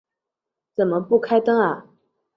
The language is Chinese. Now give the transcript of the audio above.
怎么不开灯啊